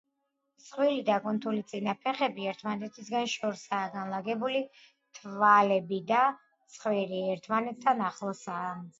მსხვილი, დაკუნთული წინა ფეხები ერთმანეთისგან შორსაა განლაგებული, თვალები და ცხვირი ერთმანეთთან ახლოსაა.